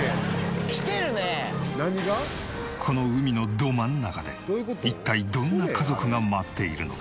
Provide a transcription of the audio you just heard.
この海のど真ん中で一体どんな家族が待っているのか。